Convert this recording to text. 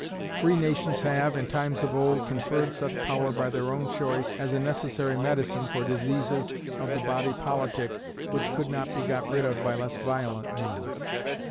Free nations have, in times of old, conferred such power by their own choice, as a necessary medicine for diseases of the body politic which could not be got rid of by less violent means.